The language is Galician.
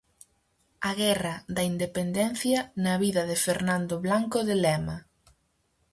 A guerra da independencia na vida de Fernando Blanco de Lema.